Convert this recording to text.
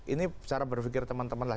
ini cara berpikir teman teman lah